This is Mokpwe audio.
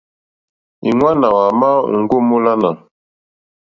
Ìŋwánà wà má òŋɡô múlánà.